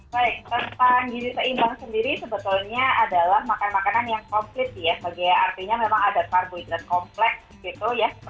baik tentang gizi seimbang sendiri sebetulnya adalah makan manis